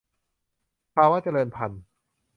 ภาวะเจริญพันธุ์